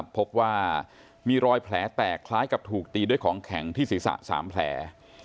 พบว่ามีรอยแผลแตกคล้ายกับถูกตีด้วยของแข็งที่ศีรษะ๓แผล